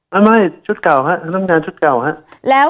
ไม่ชุดเก่าฮะทำงานชุดเก่าฮะ